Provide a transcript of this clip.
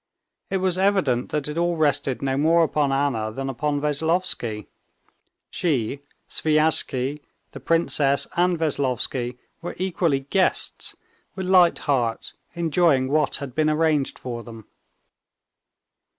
It was evident that it all rested no more upon Anna than upon Veslovsky. She, Sviazhsky, the princess, and Veslovsky, were equally guests, with light hearts enjoying what had been arranged for them.